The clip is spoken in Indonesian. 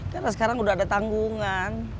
karena sekarang udah ada tanggungan